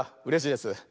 「うれしいです」。